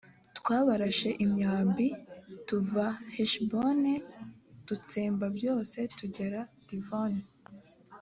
twabarashe imyambi; tuva heshiboni dutsemba byose tugera divoni.